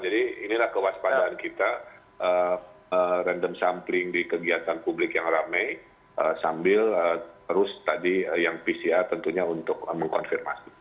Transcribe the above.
jadi inilah kewaspadaan kita random sampling di kegiatan publik yang rame sambil terus tadi yang pcr tentunya untuk mengkonfirmasi